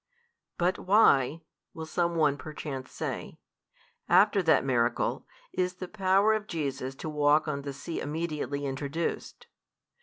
But why (will some one perchance say) after that miracle, is the Power of Jesus to walk on the very sea immediately introduced?